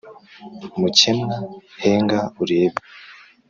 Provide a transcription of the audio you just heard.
mukemwa henga urebe